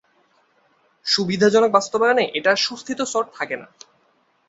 সুবিধাজনক বাস্তবায়নে এটা আর সুস্থিত সর্ট থাকে না।